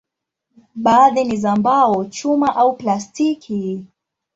Baadhi ni za mbao, chuma au plastiki.